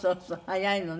早いのね。